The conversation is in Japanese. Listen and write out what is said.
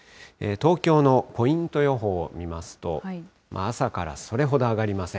東京のポイント予報を見ますと、朝からそれほど上がりません。